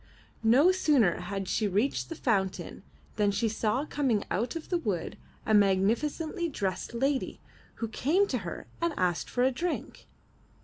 No sooner had she reached the fountain than she saw coming out of the wood a magnificently dressed lady who came to her and asked for a drink.